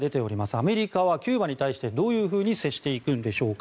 アメリカはキューバに対してどういうふうに接していくんでしょうか。